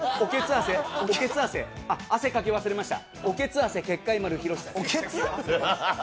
汗、書き忘れました。